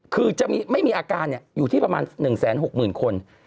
คือจะไม่มีอาการอยู่ที่ประมาณ๑๖๐๐๐คน